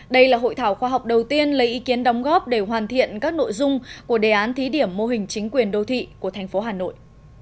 đây là hội thảo khoa học đầu tiên lấy ý kiến đóng góp để hoàn thiện các nội dung của đề án thí điểm mô hình chính quyền đô thị của thành phố hà nội